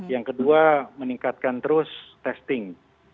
yang kedua meningkatkan terus testing